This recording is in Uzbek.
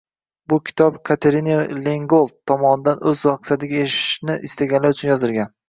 Bu kitob Katerinoy Lengold tomonidan o‘z maqsadiga erishishni istaganlar uchun yozilgan.